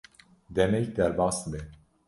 demek derbas dibe;